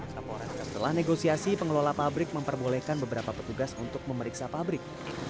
setelah negosiasi pengelola pabrik memperbolehkan beberapa petugas untuk memeriksa pabrik